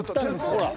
［ほら］